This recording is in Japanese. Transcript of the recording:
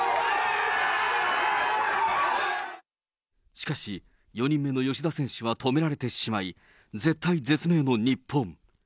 しかし、４人目の吉田選手は止められてしまい、絶体絶命の日本。